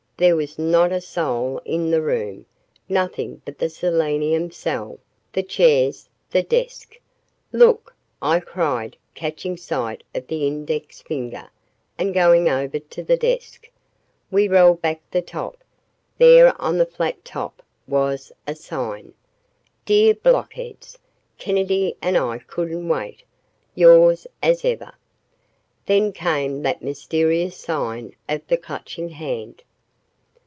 There was not a soul in the room, nothing but the selenium cell, the chairs, the desk. "Look!" I cried catching sight of the index finger, and going over to the desk. We rolled back the top. There on the flat top was a sign: Dear Blockheads: Kennedy and I couldn't wait. Yours as ever, Then came that mysterious sign of the Clutching Hand.